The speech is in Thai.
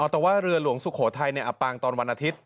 แต่ว่าเรือหลวงสุโขทัยอับปางตอนวันอาทิตย์